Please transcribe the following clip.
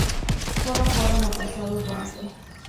Solo fueron apresados veinte.